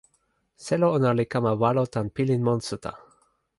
selo ona li kama walo tan pilin monsuta.